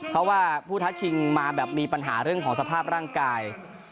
เพราะว่าผู้ทักชิงมาแบบมีปัญหาเรื่องของสภาพร่างกาย